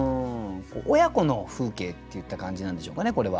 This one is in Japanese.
親子の風景っていった感じなんでしょうかねこれは。